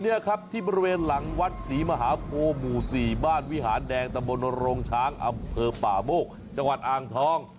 นี่ครับที่บริเวณหลังวัดศรีมหาโพหมู่๔บ้านวิหารแดงตะบนโรงช้างอำเภอป่าโมกจังหวัดอ่างทอง